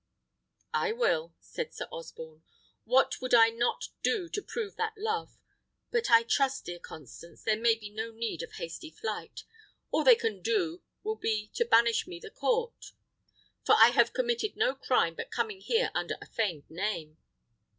"I will," said Sir Osborne. "What would I not do to prove that love! But I trust, dear Constance, there may be no need of hasty flight. All they can do will be to banish me the court, for I have committed no crime but coming here under a feigned name."